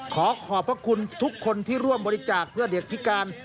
ขอขอบพระคุณทุกคนที่ร่วมบริจาคเพื่อเด็กพิการ